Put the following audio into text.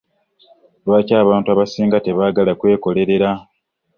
Lwaki abantu abasinga tebaagala kwekolerera?